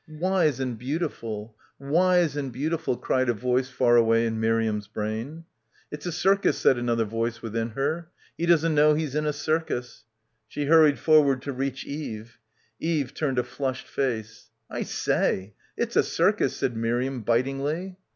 "Wise and beautiful ! Wise and beautiful!" cried a voice far away in Mir iam's brain. It's a circus said another voice within her. ... He doesn't know he's in a cir cus. ... She hurried forward to reach Eve. Eve turned a flushed face. "I say; it's a circus," said Miriam bitingly.